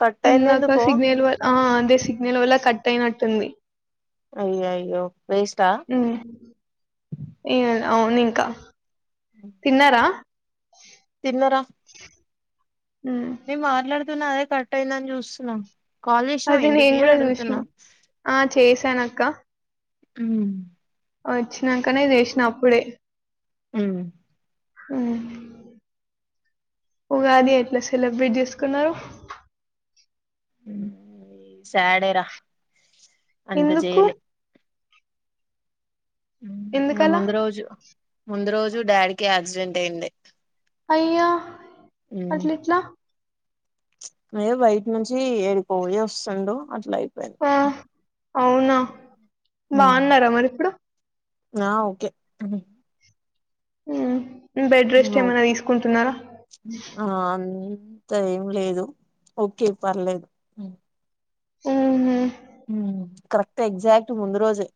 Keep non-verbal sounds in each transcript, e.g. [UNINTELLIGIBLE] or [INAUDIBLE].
Cut అయింది ఇందక ఎందుకో సిగ్నల్ వల్ అదే సిగ్నల్ వల్ల కట్ కట్ అయినట్టు ఉంది. అయ్యయ్యో ఊ [UNINTELLIGIBLE] అవును ఇంకా తిన్నారా తిన్నరా ఉమ్ నేను మాట్లాడతున్న అదే కట్ అయిందని చూస్తున్న. అది నేను కూడా చూసినా ఆ చేసానక్క ఊ వచ్చినాకనే చేసిన అప్పుడే ఊ హు ఉగాది ఎట్లా సెలబ్రేట్ చేసుకున్నారు. హు సాడ్ ఏ రా అంత ఎందుకు జయలే హు ఎందుకలా ముందు రోజు ముందు రోజు డాడీకి యాక్సిడెంట్ అయింది. అయ్యా అట్లా ఇట్లా అయ్యో బయటి నుంచి ఎడికో పోయి వస్తుండు అట్లా అయి ఆ అవునా బాగున్నారా మరి ఇప్పుడు ఆ ఓకే ఊ బెడ్ రెస్ట్ ఏమైనా తీసుకుంటున్నారా. ఆ అంత ఏం లేదు ఓకే పర్లేదు హుహు హు కరెక్ట్ ఎగ్జాక్ట్ ముందు రోజే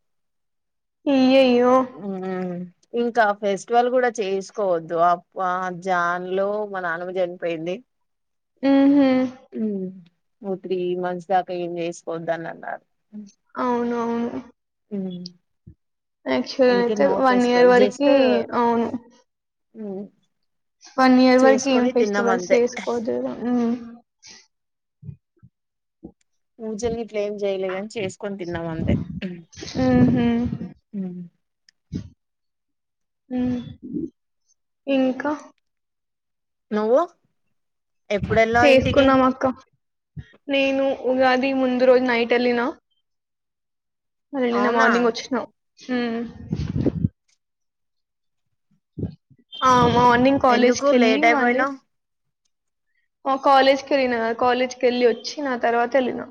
అయ్యయ్యో ఉమ్ ఇంకా ఫెస్టివల్ కూడా చేసుకోవద్దు ఆ జాన్ లో మా నాన్నమ్మ చనిపోయింది. ఊ హ్ [INAUDIBLE] నువ్ త్రీ మంత్స్ దాకా ఏం చేసుకోవద్దనిన్నారు. అవును అవును మ్మ్ యాక్చువల్ అయితే వన్ ఇయర్ వరకి అవును ఉ వన్ ఇయర్ వరకు ఏం ఫెస్టివల్స్ చేసుకోవద్దు కదా ఉమ్ [INAUDIBLE] పూజ ఇంట్ల ఏం చేయలేదని చేసుకొని తిన్నాం అంతే ఉ ఉ హ్ ఇంకా నువ్వు ఎప్పుడు వెళ్ళావు ఇంటికి చేసుకున్నాం అక్క నేను ఉగాది ముందు రోజు నైట్ వెళ్ళినా నిన్న అవునా మార్నింగ్ వచ్చినా ఉ ఆ మార్నింగ్ కాలేజ్ ఎందుకు కి వెళ్ళి లేట్ మళ్ళీ అయిపోయినావ్ ఆ కాలేజ్కి వెళ్ళినా కాలేజ్కి వెళ్ళి వచ్చి నా తర్వాత వెళ్ళినా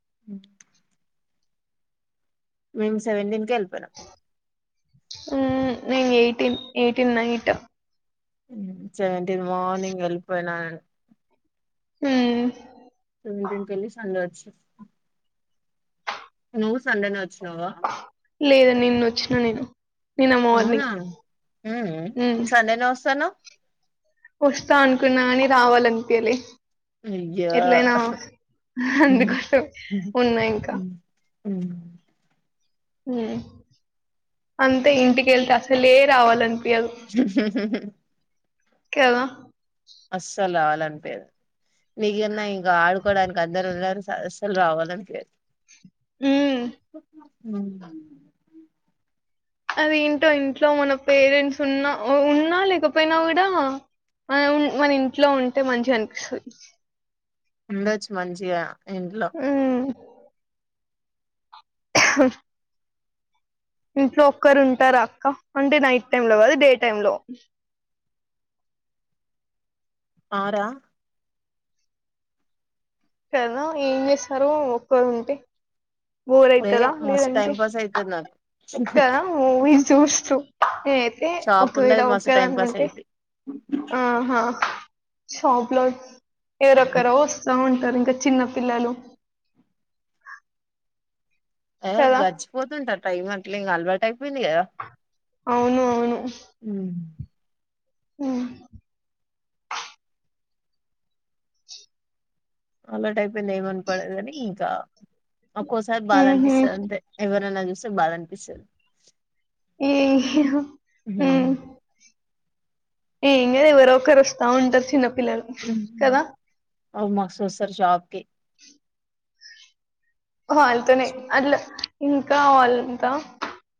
అ [INAUDIBLE] మేం సెవన్ ఎల్పోయినం హ్ నేను ఎయిటీన్ ఎయిటీన్ నైట్ మ్మ్ చెప్పు [UNINTELLIGIBLE] నేను మార్నింగ్ వెళ్లిపోయిన [INAUDIBLE] హ్ సెవెంటీన్ కెళ్ళి సండే వచ్చిన నువ్వు సండే నె వచ్చిన నావ లేదు నిన్న వచ్చిన నేను నిన్న అవునా మార్నింగ్ హ్మ్మ్ ఉమ్. సండేనే వస్తా అన్నావు. వస్తా అనుకున్నా కాని రావాలనిపియలే అయ్యో ఎట్లయినా అందుకోసము ఉన్నా ఇంకా హ్ హ్ అంతే ఇంటికి వెళ్తే అసలే రావాలనిపీ హ్ హ్ హ్ కేదో అస్సల్ ఆలన్ మీగన్నై గా ఆడుకోవడానికి అందరు ఉన్నారు స స్ వాల్ రావాలని కే ఊ ఊ అది ఏంటో ఇంట్లో మన పేరెంట్స్ ఉన్నా ఉన్నా లేకపోయినా కూడా మన ఇంట్లో ఉంటే మంచిగా అనిపిస్తది ఉండొచ్చు మంచిగా ఇంట్లో హ్మ్ ఇంట్లో ఒక్కరు ఉంటారా అక్క అంటే నైట్ టైమ్ లో కాదు డే టైమ్ లో ఆ రా కదా ఏం చేసరు ఒక్కరు ఉంటే బోర్ ఏ ఐతదా మస్తు లేదంటే టైం పాస్ అయితది నాకు కదా మూవీస్ చూస్తూ ఏ అయితే షాప్ ఒకవేళ ఉన్నది ఒక మస్తు టైం దాన్ పాస్ ఐతే అయిద్ది ఆహా షోప్ లో ఏ రొక రో వస్త టారూ ఇంక చిన్న పిల్లలు ఏ కదా గడిజిపోతుంటరు టైమ్ అట్లే ఇంగ అలవాట్ అయిపోయింది గ అవును అవును హ్మ్ అలవాట్ అయిపోయింది ఏమనపడేదని ఇంకా ఒక్కోసారి బాధ ఉమ్హు. అనిపిస్తదంతే ఎవరన్నా చూస్ బాధ అనిపిస్తది మ్ ఇంగ ఎవరో ఒకరు వస్తా ఉంటారు చిన్నప్ పిల్లలు కదా ఔ మస్తు వస్తర్ షాప్ కి వాల్తోనే అట్ల ఇంకా వాళ్ళంతా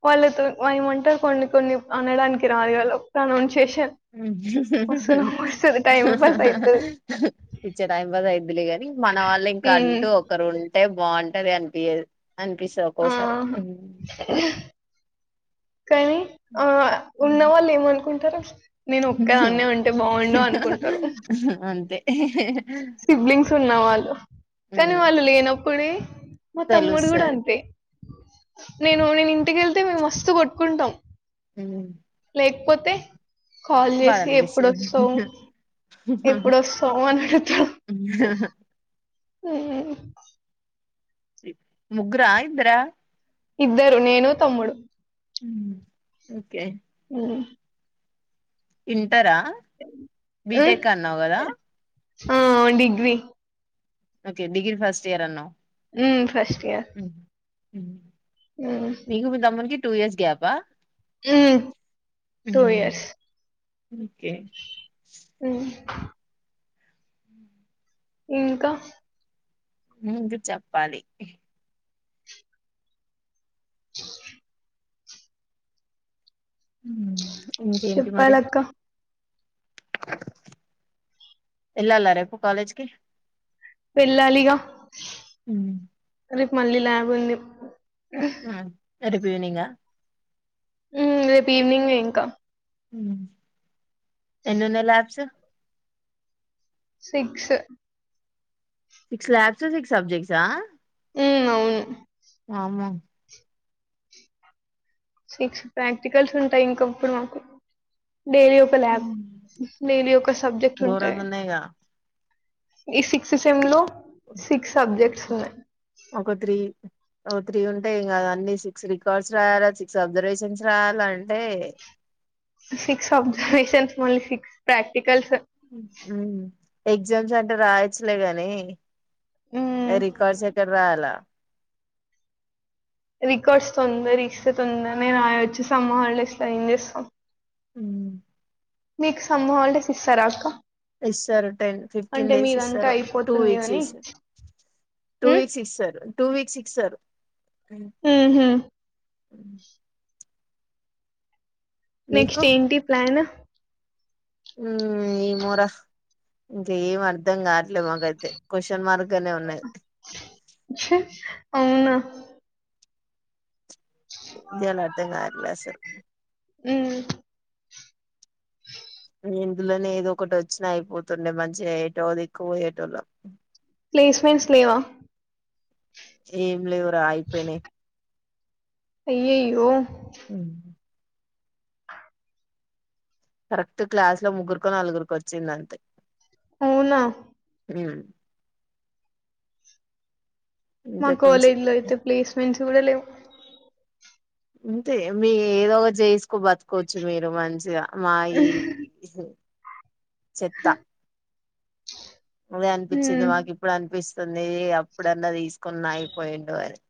వాళ్ళతో వా ఏమంటారు కొన్ని కొన్ని అనడానికి రాదు [UNINTELLIGIBLE] తనో వస్తుంది టైం పాస్ ఇచ్చే టైం పద వయిదులే ని మన వాళ్ళ ఇంకా అంటూ అవుతుంది ఒకరు ఉంటే బాగుంటు దే అనిపియదు అనిపిస్తది ఆ! ఒక్కోసారి కానీ ఆ ఉన్నవాళ్ళు ఏమనుకుంట ర నేను ఒక్కే అాన్న ఉంటే బాగుండు అనుకుంటారు. అంతే సిబ్లింగ్స్ ఉన్నా వాళ్ళు కానీ వాళ్ళు లేనప్పుడే మా తమ్ముడు కూడా తెలుస్తది అంతే నేను నేను ఇంటికెళ్తే మేము మస్తు కొట్టుకుంటాం. ఉ [UNINTELLIGIBLE] పోతే కాల్ బాధ చేసి ఎప్పుడొస్తావ్ అనిపిస్తది ఎప్పుడువస్తావ్ అని అడుగుతాం. హు ముగ్గురా ఇద్దర ఇద్దరు నేను తమ్ముడు హు ఓకే హు హు ఇంటార హ్మ్. బిటెక్ అన్నావ్ గదా ఆ degree okay degree first year అన్నావ్ హు ఫస్ట్ కే హు నీకు నీ తమ్మునికి టూ ఇయర్స్ గ్యాపా హు టూ ఇయర్స్ ఓకే హ్మ్. ఇంకా ఇంకా చెప్పాలి. [INAUDIBLE] ఉమ్. చెప్పాలక్క ఎల్లాల రేపు కాలేజ్కి వెళ్ళాలిగా ఉమ్. ఇగ మళ్ళీ ల్యాబుంది హు రేపు ఈవినింగ్ ఆ హు రేపు ఈవినింగ్ ఇంకా ఎన్నున్నాయి labs six six labs six సబ్జెక్ట్సా ఉ అవును వామ్మో సిక్స్ ప్రాక్టికల్స్ ఉంటాయి ఇంకప్పుడు మాకు డైలీ ఒక ల్యాబ్ డైలీ ఒక సబ్జెక్ట్ ఉంటాయి ఘోరంగా ఉన్నాయిగా ఈ సిక్స్ సిసెమ్ లో సిక్స్ సబ్జెక్ట్స్ ఒక త్రీ ఓ త్రీ ఉంటేయి ఇంకా అన్ని సిక్స్ రికార్డ్స్ రాయాలా సిక్స్ అబ్జర్వేషన్స్ రాయాలా అంటే సిక్స్ అబ్జర్వేషన్స్ మళ్లీ సిక్స్ ప్రాక్టి ఉం ఎగ్జామ్స్ అంటే రాయచ్చలే కాని మ్మ్ రికార్డ్స్ ఎక్కడ రాయాలా రికార్డ్స్ తొందరిస్తే తొందరనే రాయొచ్చు సమ్మర్ హాలిడేస్ లో ఏం చేస్తాం ఉమ్ మీకు సమ్మర్ హాలిడేస్ ఇస్తారా అక్క ఇస్తారు టెన్ ఫిఫ్టీన్ అంటే డేస్ మీదంతా ఇస్తారు టూ అయిపోతుంది వీక్స్ అని ఇస్తా టూ హ్మ్. వీక్స్ ఇస్తారు టూ వీక్స్ ఇస్తారు హు హామ్ మీకు నెక్స్ట్ ఏంటి ప్లాన్ ఉమ్ ఏమోరా ఇంక ఏం అర్ధం కాదు ఇ మకైయితే క్వశ్చన్ మార్క్ లాగానే ఉన్నాయి అవునా ఏం చేయాలో అర్థం కావట్లే అసలు ఉమ్ ఇందులోనే ఏదో ఒకటి వచ్చినా అయిపోతుండే మంచిగా ఎటోదిక్కు పోయేటోలం ప్లేస్మెంట్స్ లేవా ఏం లేవురా అయిపోయినాయి అయ్యయ్యో ఉ కరెక్ట్ క్లాస్ లో ముగ్గురుకో నలుగురికో వచ్చింది అంతే అవునా ఉమ్ మా ఇంతకు మించి కాలేజ్ లో అయితే ప్లేస్మెంట్స్ చూడలే అంతే మీ ఏదో ఒక చేసుకో బతుకోవచ్చు మీరు మంచిగా మా మా ఈ చెత్త అదే అనిపించింది హ్మ్. మాకు ఇప్పుడు అనిపిస్తుంది వస్తుంది అప్పుడన్న తీసుకున్న అయిపోయిండు అని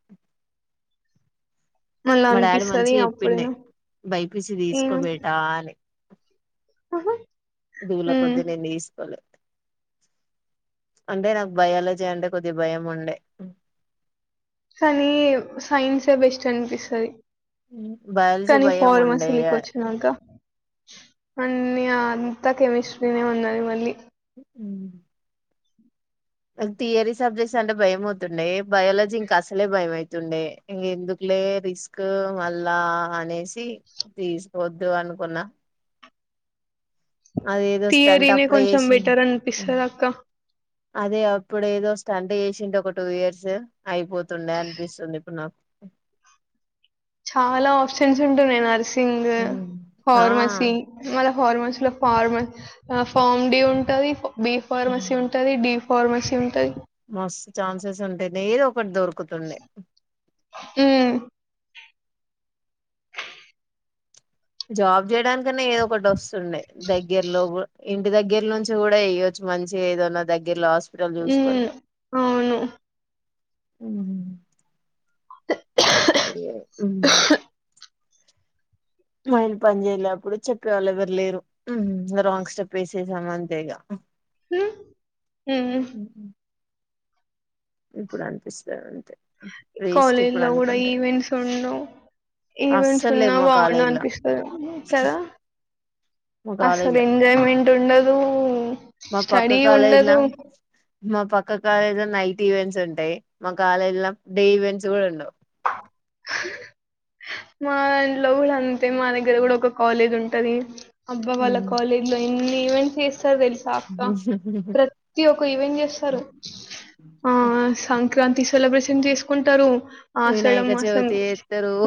మళ్ళా మా డాడీ మంచి అనిపిస్తది చెప్పిండే అప్పుడేనా బైపిసి ఏమో తీసుకోబేటా అని ఆహా! దూల హ్మ్. కొొద్దినేను తీసుకోవలే అంటే నాకు భయాలజీ అంటే కొద్దిగా భయం ఉండే కానీ సైన్సే బెస్ట్ అనిపిస్తది బయాలజీ కానీ భయంము ఉండే యా మన్ని అంతా కెమస్ట్రినే ఉన్నాయి మల్లి అ థియరీ సబ్జెక్ట్స్ అంటే భయం అవుతుండే బయాలజీ ఇంకా అసలే భయం అవుతుండే ఇంక ఎందుకులే రిస్క్ మళ్ళా అనేసి తీసుకోవద్దు అనుకున్నా అదేదో స్టంట్ థియరీనే అప్పుడే కొంచెం చేసింది బెటర్ అనిపిస్తాది అక్క అదే అప్పుడు ఏదో స్టండ్ చేసిండు ఒక టూ ఇయర్స్ అయిపోతుండే అనిపిస్తుంది ఇప్పుడు నాకు చాలా ఆప్షన్స్ ఉంటుంది ఎన్ఆర్సి సింగ్ ఉమ్. ఆ ఫార్మసి మల్ల హార్మన్స్ లో ఫార్మ ఫార్మ్ డ ఉంటది బి ఉమ్. ఫార్మసీ ఉంటది డి ఫార్మసి ఉంటది మస్తు ఛాన్సెస్ ఉంటాయి నేను ఒకటి దొరుకు ఆ జాబ్ చేయడానికి నే ఏదో ఒకటి వస్తుండే్ దగ్గరలో గో ఇంటి దగ్గర నుంచి కూడా వయొచ్చు మంచి ఏదోన్నా దగ్గరలో హస్ ఉ అవును అ అదే ఊ మైలు పని చేయలేప్పుడు చెప్పేవాళ్ళు ఎవ్వరు లేరు రాంగ్ స్టెప్ వేసేసామంతే ఇగా హ ఇప్పుడు అనిపిస్తారు కాలేజ్ లో కూడా ఈవెంట్స్ ఉండువు ఈవెంట్స్ అస్సలు ఉన్నా లేవు మా బాగుండవు కాలేజీల అనిపిస్తద కదా మా అసలు కాలేజీల ఎంజాయ్మెంట్ ఉండదు మా పక్క స్టడీ కాలేజీల ఉండదు మా పక్క కాలేజ్ లో నైట్ ఈవెంట్స్ ఉంటాయి మా కాలేజ్ లో డే ఈవెంట్స్ కూడా ఉండవు మా ఇంట్లో కూడా అంతే మా దగ్గర కూడా ఒక కాలేజ్ ఉంటది అబ్బా వాళ్ళ కాలేజ్ లో ఎన్ని ఈవెంట్ చే తెలుసా ప్రతి ఒక ఈవెంట్ చేస్తారు ఆ సంక్రాంతి సెలబ్రేషన్ చేసుకుంటారు ఆషాఢ వినాయకా మాసం చెవతి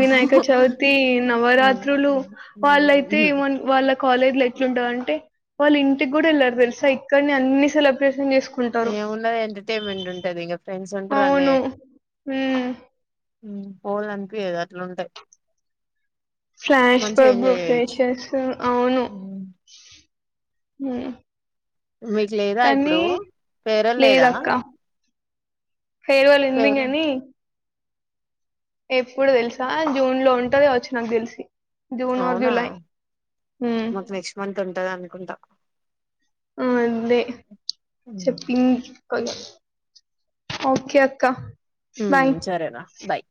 వినాయక చవితి నవరాత్రులు వాళ్ళయితే వాళ్ళ కాలేజ్ లో ఎట్లుంటది అంటే వాళ్ళు ఇంటికి కూడా వెళ్లారు తెలుసా ఇక్కడని అన్ని సెలబ్రేషన్ చేసు ఏ ఉన్నది ఎంటర్టైన్మెంట్ ఉంటది ఇంకా ఫ్రెండ్ అవును హ పోవాలి అనిపియదు అట్లుంటది ఫ్లాష్ మంచిగా బబ్ ఎంజాయ్ చేయొచ్చు ప్రేషర్స్ అవును హ మీకు లేదా ఇప్పుడు ఫెయిల్వెల్ లేదా లేదక్క ఫేర్వెల్ ఉంది కానీ ఎప్పుడు తెలుసా జూన్ లో ఉంటది వచ్చి నాకు తెలిసి జూన్ ఆర్ అవునా జూలై ఉమ్ మాకు నెక్స్ట్ మంత్ ఉంటదని కుంట ఆ అంతే ఉమ్ చెప్పింగ్ ఓకే అక్క హ బాయ్ సరేరా బాయ్